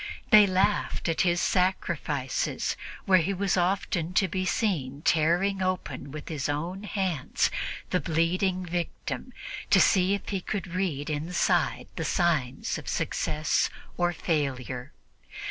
They laughed at his sacrifices, where he was often to be seen tearing open with his own hands the bleeding victim to see if he could read inside the signs of success or failure.